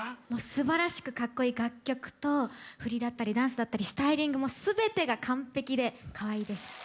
すばらしくかっこいい楽曲と振りだったりダンスだったりスタイリングもすべてが完ぺきでかわいいです！